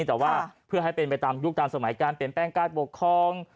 แต่ว่าเพื่อให้เป็นไปตามยุคตามสมัยการเปลี่ยนแปลงการปกครอง